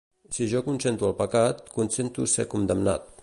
Si jo consento el pecat, consento ser condemnat.